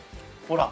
ほら！